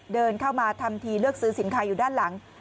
เดินเข้ามาทำทีเลือกซื้อสินค้าอยู่ด้านหลัง